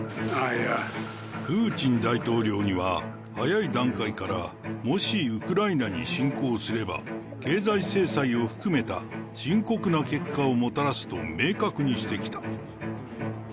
プーチン大統領には早い段階から、もしウクライナに侵攻すれば、経済制裁を含めた深刻な結果をもたらすと明確にしてきた。